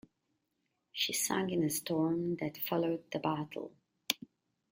She sank in the storm that followed the battle.